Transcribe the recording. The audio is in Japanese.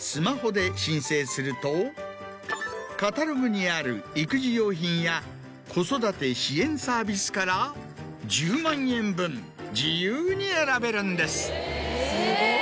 カタログにある育児用品や子育て支援サービスから１０万円分自由に選べるんです。